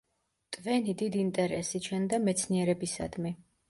ტვენი დიდ ინტერესს იჩენდა მეცნიერებისადმი.